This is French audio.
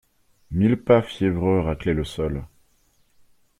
Mille pas fiévreux raclaient le sol.